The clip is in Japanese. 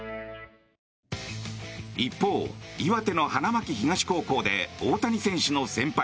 一方、岩手の花巻東高校で大谷選手の先輩